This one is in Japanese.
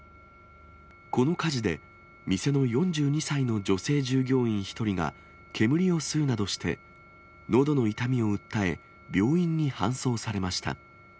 この火事で、店の４２歳の女性従業員１人が煙を吸うなどして、のどの痛みを訴え、病院に搬送されました。